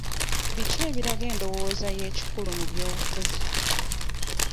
Biki ebiraga endowooza y'ekikulu mu by'obufuzi?